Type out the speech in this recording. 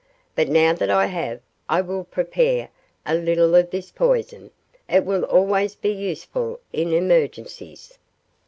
But now that I have I will prepare a little of this poison, it will always be useful in emergencies.